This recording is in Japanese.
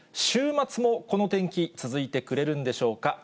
週末もこの天気続いてくれるんでしょうか。